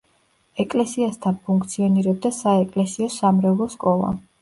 ეკლესიასთან ფუნქციონირებდა საეკლესიო-სამრევლო სკოლა.